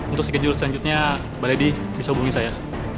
untuk schedule selanjutnya mbak lady bisa hubungi saya